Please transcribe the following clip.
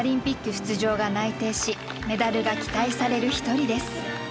出場が内定しメダルが期待される一人です。